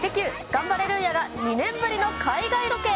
ガンバレルーヤが２年ぶりの海外ロケ。